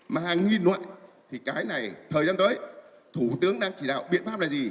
mà hàng nghìn nội thì cái này thời gian tới thủ tướng đang chỉ đạo biện pháp là gì